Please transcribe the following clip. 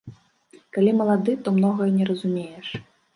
Калі малады, то многае не разумееш.